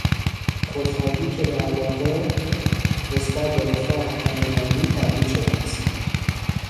خودخواهی که به علاقه نسبت به رفاه همگانی تبدیل شده است